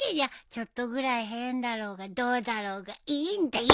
ちょっとぐらい変だろうがどうだろうがいいんだよ！